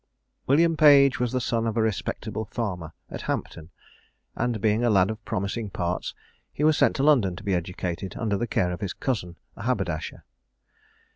William Page was the son of a respectable farmer at Hampton, and being a lad of promising parts he was sent to London to be educated under the care of his cousin, a haberdasher.